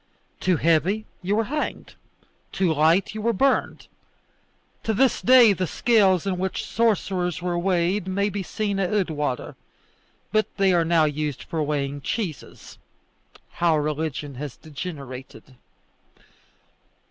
Too heavy, you were hanged; too light, you were burned. To this day the scales in which sorcerers were weighed may be seen at Oudewater, but they are now used for weighing cheeses; how religion has degenerated!